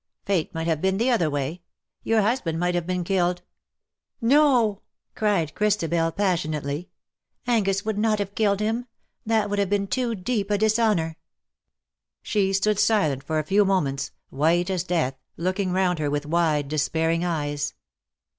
Fate might have been the other way. Your husband might have been killed." E % LIBRARY 52 DUEL OR MURDER ?'' No !" cried Christabel, passionately ;^' Angus would not have killed him. That would have been too deep a dishonour '/' She stood silent for a few moments, white as death, looking round her with wide, despairing eyes.